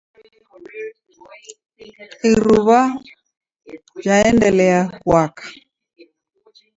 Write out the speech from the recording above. iruw'a jaendelia kuaka.